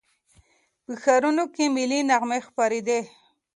په ښارونو کې ملي نغمې خپرېدې.